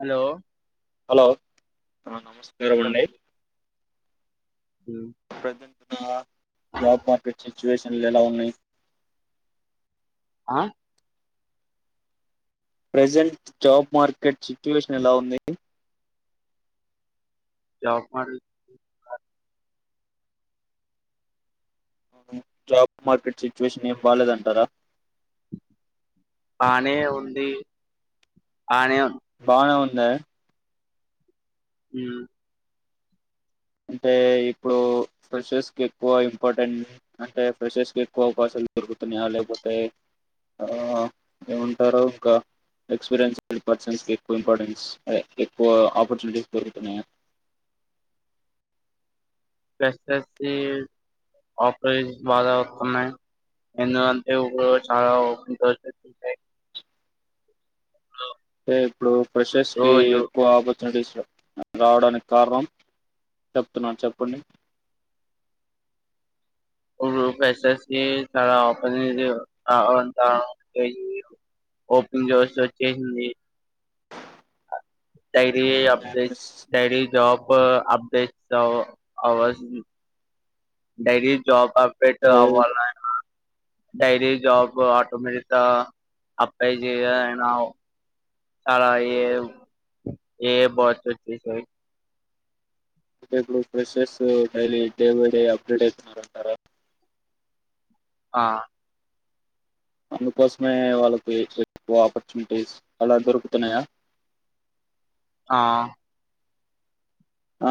Hello hello నమస్కారంవండి హు job market సిచ్యువేషన్లు ఎలా ఉన్నాయి ఆ ప్రజెంట్ జాబ్ మార్కెట్ సిచ్యువేషన్ ఎలా ఉంది job market job market situation ఏం బాలేదంటారా బానే ఉంది అనే ఉ బానే ఉందా ఉ అంటే ఇప్పుడు ఫ్రెషర్స్ కి ఎక్కువ ఇంపార్టెంట్ అంటే ఫ్రెషర్స్ కి ఎక్కువ అవకాశం దొరుకుతున్నాయా లేకపోతే ఆ ఏముంటారు ఇంకా ఎక్స్పీరియన్స్డ్ పర్సన్స్ ఎక్కువ ఇంపార్టెన్స్ ఎక్కువ ఆపర్చునిటీస్ దొరుకుతున్నాయా [inaudible] ఫ్రెషర్స్ కి ఆఫర్స్ బాగా వస్తున్నాయి ఎందుకంటే ఒకరోజు చాలా ఒకరోజు అ ఇప్పుడు ప్రెషెస్ కి రోజు ఎక్కువ ఆప రావడానికి కారణం చెప్తున్నాను చెప్పండి [inaudible] ఇప్పుడు ఫ్రెషర్స్ కి చాలా అపర్చునిటీ కావాలంట ఓపెన్ జోస్ వచ్చేసింది డైరీ ప్రెస్ అప్డేట్స్ డైరీ జాబ్ అప్డేట్స్ అవస్ డైలీ జాబ్ అప్డేట్ అంటే అవాలానా డైలీ జాబ్ ఆటోమేటిక్ అప్లై చేయానా అలా ఏవ్ ఏ ఫాస్ట్ అ ఇప్పుడు freshers daily day by day update అవుతున్నారంటారా ఆ అందుకోసమే వాళ్ళకి ఎక్కువ ఆపర్చునిటీస్ అలా దొరుకుతున్నాయా [inaudible] ఆ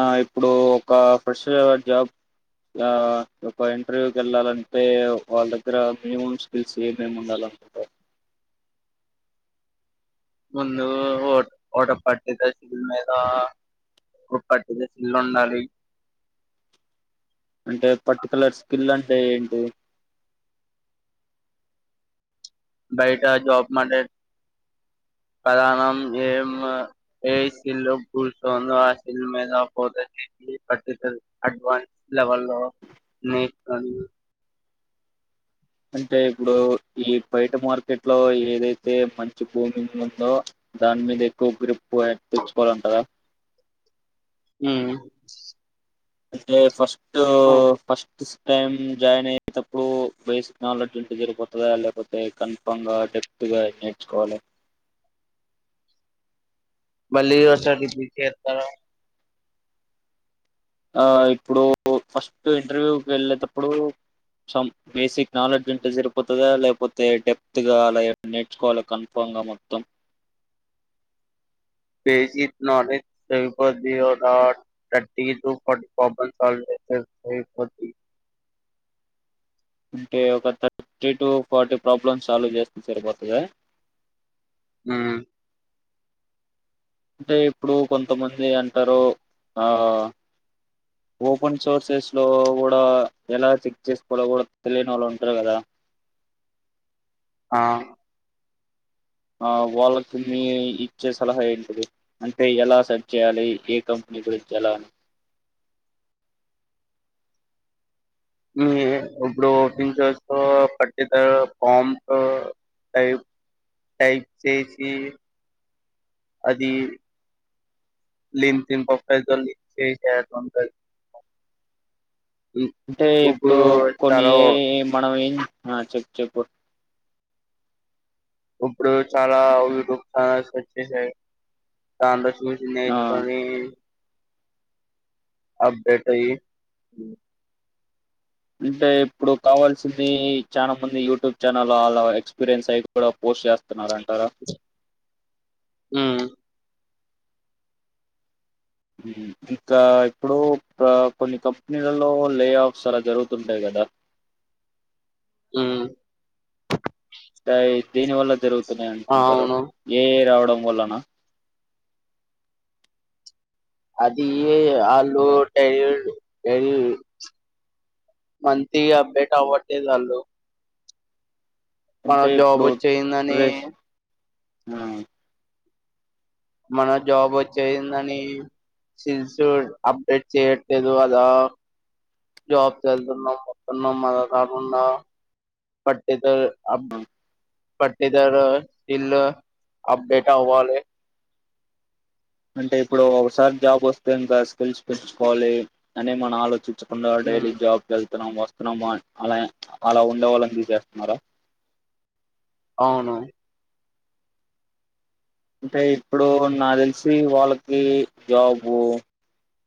ఆ ఇప్పుడు ఒక ప్రెషర్ జాబ్ ఆ ఒక ఇంటర్వ్యూకి వెళ్ళాలంటే వాళ్ళ దగ్గర మినిమం స్కిల్స్ ఏమేమి ఉండాల [inaudible] ముందు ఓట్ ఓట పటద సిలేదు ఒకటి సేల్ ఉండాలి అంటే పర్టికులర్ స్కిల్ అంటే ఏంటి బయిట జబ్ మాటే [inaudible] ప్రధానం ఏం ఏ సిల్ పర్చందో ఆ సిల్ మీద పోతది అడ్వాన్స్ లెవెల్ లో నే అంటే ఇప్పుడు ఈ బయట మార్కెట్ లో ఏదైతే మంచి భూమింగ్ ఉందో దాని మీద ఎక్కువ గ్రిప్ తెచ్చుకోవాలంటారా ఉ అంటే ఫస్ట్ ఫస్ట్ టైం జాయిన్ అయ్యేటప్పుడు బేసిక్ నాలెడ్జ్ ఉంటే జరిగిపోతుందా లేకపోతే కన్ఫాగా డే ముందుగా నేర్చుకోవాలే మళ్ళీ వర్షకితన ఆ ఇప్పుడు ఫస్ట్ ఇంటర్వ్యూకి వెళ్ళేతప్పుడు సం బేసిక్ నాలెడ్జ్ ఉంటే సరిపోతదా లేకపోతే డెప్త్ గా అలా నేర్చుకోవాలి కన్ఫామ్ ఇంగ మొత్తం బేసిక్ నాలేజ్ సరిపోది థర్టీ టు ఫార్టీ ప్రోబ్లం సాల్వి థర్టీ ఫార్టీ అంటే ఒక thirty to forty problem solve చేస్తే సరిపోతదా ఉ అంటే ఇప్పుడు కొంతమంది అంటారు ఆ ఓపెన్ సోర్సెస్ లో కూడా ఎలా చెక్ చేసుకోలో కూడా తెలియని వాళ్ళు ఉంటారు కదా ఆ ఆ వాళ్ళకి మీ ఇచ్చే సలహా ఏంటిది అంటే ఎలా సర్ట్ చేయాలి ఏ కంపె మీ గురించి ఎలాను మీ ఇప్పుడు ఓపెన్ చేస్తూ పటికులరు ఫార్మ్స్ టైప్ టైప్ చేసి అది లింక్డిన్ ప్రొఫైల్తో లింక్ చేస్తే అయిపోతది అంటే ఇప్పుడు కొన్ని ఎ మనం చెప్పు చెప్పు ఇప్పుడు చాలా యూట్యూబ్ ఛానల్స్ వచ్చేసాయి దానిలో గుడ్ ఆ నైట్స్ అని అప్డేటయి అంటే ఇప్పుడు కావాల్సింది చాలా మంది యూట్యూబ్ ఛానల్ అలా ఎక్స్పీరియన్స్ అయి కూడా పో చేస్తున్నారు అండి ఉ ఇంకా ఇప్పుడు కొన్ని కంపెనీలలో లే ఆఫ్స్ అలా జరుగుతుంటాయి కదా య ఉ అంటే దేని వల్ల జరుగుతున్నా అనుకుంటారు అవును ఏఐ రావడం వలన అదియ అలు టైర్డ్ టయి పంతిగా అప్డేట్ ఆవటెల్ అలు అంటే ఇప్పుడు వచ్చేయిందని ఫ్రష్ ఆ మన జాబ్ వచ్చిందని స్కిల్స్ అప్డేట్ చేయట్లేదు అదా జబ్ కెల్తునం వస్తున్నాం అలా కాకుండా ఫార్టీ తౌసన్ అబ్ బట్ ఇధర స్టీల్ అప్డేట్ అవ్వలే అంటే ఇప్పుడు ఒకసారి జాబ్ వస్తే ఇంకా స్కిల్స్ పెచ్చుకోవాలి అని మన ఆలోచించి డైలీ ఉమ్, జాబ్కి వస్తున్నాం వస్తున్నాం అలా అలా ఉండేవాళ్ళని తీసేస్తున్నారా అవును అంటే ఇప్పుడు నా తెలిసి వాళ్ళకి జాబు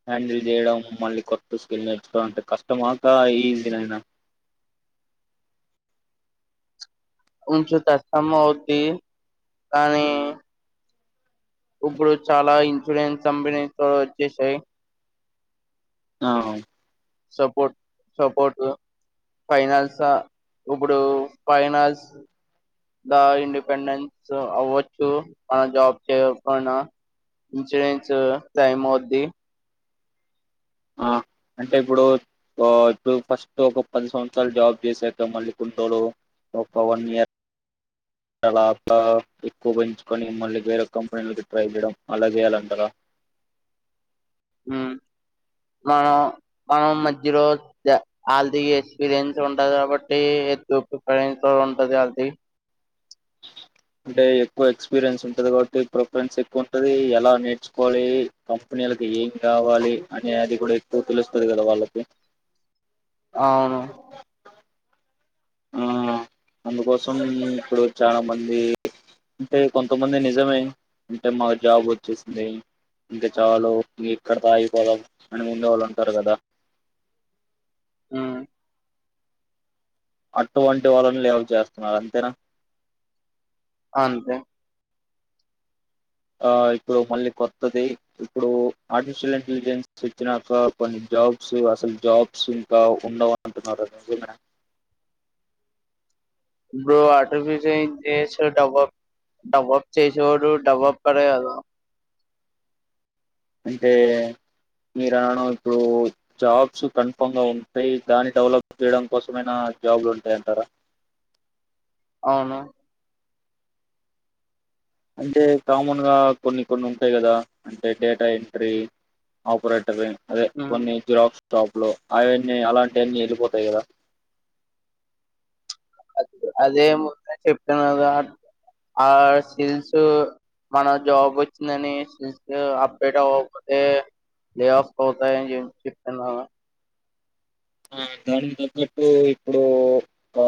హ్యాండిల్ చేయడం, మళ్ళీ కొత్త స్కిల్ నేర్చుకోడం అంటే కష్టమాకా ఈజీనైనా ఉంచుత సంమవంది కానీ ఇప్పుడు చాలా ఇన్సూరెన్స్ కంపెనీస్ వచ్చేసాయ్. ఆ సపోట్ సపోటు ఫైనాన్స ఇప్పుడు ఫైనాన్స్ ద ఇండిపెండెన్స్ అవ్వచ్చు మనం జాబ్ చెయ్యకపోయినా ఇన్సూరెన్స్ టైమ్ అవిద్ది ఆ అంటే ఇప్పుడు ఆ ఇప్పుడు ఫస్ట్ ఒక పది సంవత్సరాలు జాబ్ చేసాక, మళ్ళీ కుంటోలు ఒక వన్ ఇయర్ తర్వాత ఎక్కువ పెంచుకొని మల్లి వేరే కంపెనీలకి ట్రై చేయడం అలా చేయాలంటార? హ్మ్మ్ మనం మనం మద్యలో జా వాళ్ళది ఎక్స్పీరియన్స్ ఉంటది కాబట్టి ప్రిఫరెన్ కూడా ఉంటది వాళ్ళది అంటే ఎక్కువ ఎక్స్పీరియన్స్ ఉంటది కాబట్టి ప్రిఫరెన్స్ ఎక్కువుంటది, ఎలా నేర్చుకోవాలి కంపెనీ వీళ్లకి ఏం కావాలి అనే అది కూడా ఎక్కువ తెలుస్తది కదా వాళ్ళకి అవును హ్మ్మ్ అందుకోసం ఇప్పుడు చాలా మంది అంటే కొంతమంది నిజమే అంటే మాకు జాబ్ వచ్చేసింది. ఇక చాలు ఇక్కడతో ఆగిపోవాలి అని ఉండే వాళ్ళుంటారు గదా ఆ అటువంటి వాళ్ళని లేవ చేస్తున్నారంతేనా! అంతే ఆ ఇప్పుడు మళ్ళీ కొత్తది ఇప్పుడు ఆర్టిఫిషియల్ ఇంటెలిజెన్స్ వచ్చినాక జాబ్స్ అసలు జాబ్స్ ఇంకా ఉండవు అంటున్నారు నిజమే బ్రో అటు [unintelligible] ఇన్సల్ట్ అవ్వకు. డబప్ చేసేవాడు డబ్ప్ కడే కదా అంటే మీర అన్నాను ఇప్పుడు జాబ్స్ కన్ఫంగా ఉంటాయి దాని డెవలప్ చేయడం కోసమైనా జాబ్లు ఉంటాయీ అంటారా అవును అంటే కామన్ గా కొన్ని కొన్ని ఉంటాయి కదా అంటే డేటా ఎంట్రీ ఆపరేటర్ అదే ఉమ్ కొన్ని జీరాక్ టాప్ లో అవన్నీ అలాంటివన్నీ వెళ్ళిపోతాయి గదా అదే ముందు చెప్న్నారు ఆ సిల్స్ మనకి జాబ్ వచ్చిందని అప్డేట్ అవ్వకపోతే! ప్లే ఆఫ్ పోతాయీ జెప్తున్నాన ఆ దానికి థగట్టు ఇప్పుడు ఆ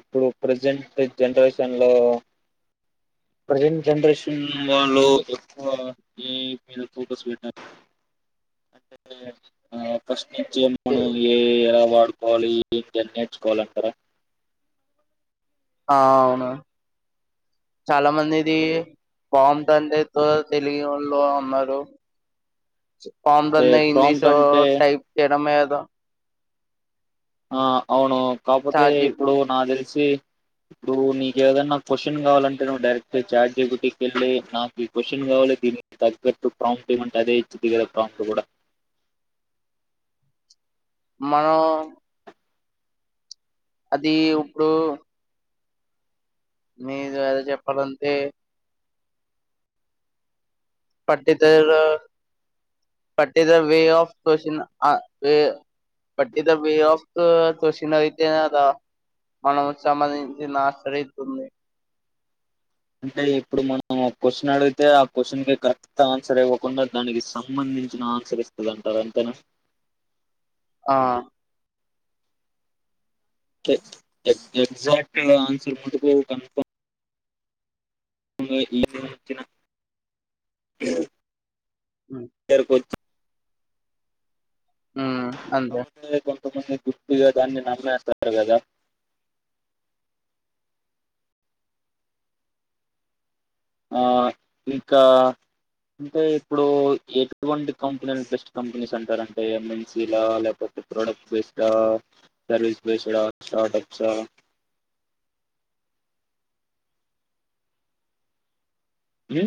ఇప్పుడు ప్రజెంట్ జనరేషన్ లో ప్రజెంట్ జనరేషన్ వాళ్ళు ఎక్కువ దేనిమీద ఫోకస్ పెట్టి [inaudible] అ ప్రశని మనం ఏ- ఏఐ ఎలా వాడుకోవాలి [unintelligible] నేర్చుకోవాలి అంటారా? ఆ అవును చాలా మందిది పాం తంట త తెలుగు వాళ్ళు ఉన్నరు ఫామ్ అంటే రన్న ఇంగ్లీష్ ప్రాంప్ట్ అంటే టైప్ చేయడంమే కదా ఆ అవును కాపోతే ఛార్జీ ఇప్పుడు నా తెలిసి ఇప్పుడు నీక ఏదైన్నా నా క్వశ్చన్ కావాలంటే నువ్ డైరెక్ట్ చార్జ్ జి పి టి కిళ్ళి నాకు ఈ క్వశ్చన్ కావాలి తగ్గట్టు ప్రాంప్ట్ టీమంటే అదే ఇచ్చిద్ది ప్రాంప్ట్ కూడా [inaudible] మన అది ఇప్పుడు మీ ఏదో చెప్పాలంతే పట్టితేలా బట్ ఇ వే ఆఫ్ క్యూస్షన్ ఆ వే బట్టి ఇద్ద వే ఆఫ్ క్వషన్ అయితే మనము సంబంధించి నాశ్రయిస్తుంది అంటే ఇప్పుడు మనం ఒక క్వశ్చన్ అడిగితే ఆ క్వశ్చన్కి కరెక్ట్ ఆన్సర్ ఇవ్వకుండా దానికి సంబంధించ చ ఆన్సర్ ఇస్తుందింటారు అంతేనా ఆ ఎ ఎక్జాక్ట్ ఆన్సర్ ముటుకు కన్ఫమ్ వచ్చినరుక వచ్చ ఉ అంతే కాకపోతే కొంతమంది గుర్తుగా దాన్ని నమ్మనేస్తారు కదా ఆ ఇంకా అంటే ఇప్పుడు ఎటువంటి కంపెనీలు బెస్ట్ కంపెనీస్ అంటారు అంటే ఎంఎన్సీ లా లేకపోతే product based service based startups [inaudible] ఏ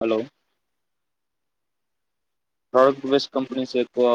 హలో ప్రోడక్ట్ బెస్ట్ కంపెనీస్ ఎక్కువ